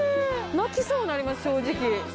泣きそうになります正直。